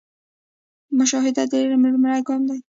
مشاهده د علم لومړی ګام دی